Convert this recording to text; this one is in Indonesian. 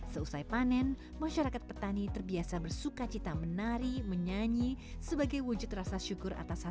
seusai panen masyarakat petani terbiasa bersuka cita menari menyanyi sebagai wujud rasa syukur atas harga